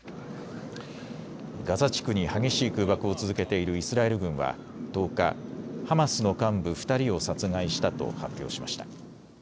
ガザ地区に激しい空爆を続けているイスラエル軍は１０日、ハマスの幹部２人を殺害したと発表しました。